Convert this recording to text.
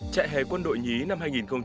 chạy hè quân đội nhí năm hai nghìn hai mươi bốn